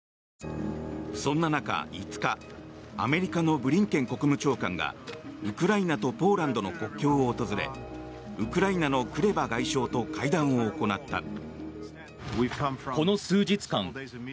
そんな中、５日アメリカのブリンケン国務長官がウクライナとポーランドの国境を訪れウクライナのクレバ外相と会談を行った。